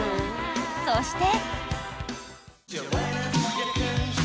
そして。